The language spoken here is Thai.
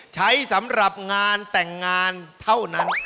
ใช้สำหรับงานแต่งงานเท่านั้น